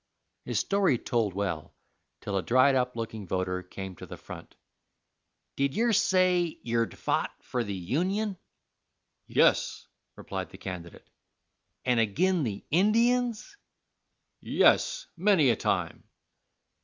His story told well, till a dried up looking voter came to the front. "Did yer say yer'd fought for the Union?" "Yes," replied the candidate. "And agin the Indians?" "Yes, many a time."